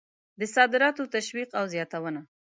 اتم: د صادراتو تشویق او زیاتونه.